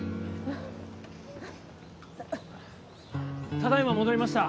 ただいま戻りました